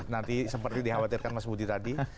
nanti seperti dikhawatirkan mas budi tadi